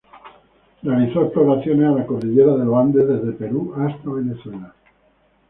Realizó exploraciones a la cordillera de Los Andes desde Perú hasta Venezuela.